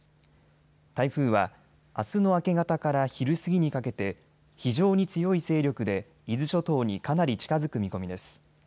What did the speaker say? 台風はあすの明け方から昼過ぎにかけて非常に強い勢力で伊豆諸島にかなり近づく見込みです。